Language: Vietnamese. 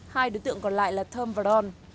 hai đối tượng còn lại là thơm và đôn